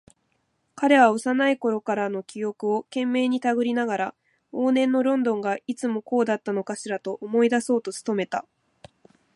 彼は幼いころの記憶を懸命にたぐりながら、往年のロンドンがいつもこうだったのかしらと思い出そうと努めた。